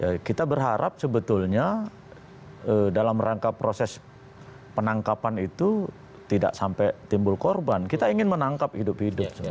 ya kita berharap sebetulnya dalam rangka proses penangkapan itu tidak sampai timbul korban kita ingin menangkap hidup hidup